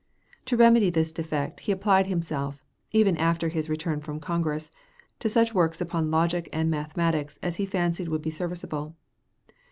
To remedy this defect, he applied himself, after his return from Congress, to such works upon logic and mathematics as he fancied would be serviceable.